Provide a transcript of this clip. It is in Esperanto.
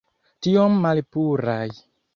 Tiom malpuraj!